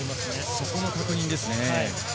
そこの確認ですね。